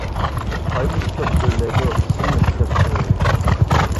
ئايمۇ چىقىپ ئۆرلەيدۇ، كۈنمۇ چىقىپ ئۆرلەيدۇ.